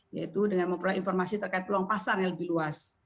yaitu dengan memperoleh informasi terkait peluang pasar yang lebih luas